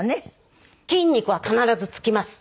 筋肉は必ずつきます。